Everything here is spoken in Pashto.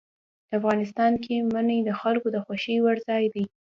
افغانستان کې منی د خلکو د خوښې وړ ځای دی.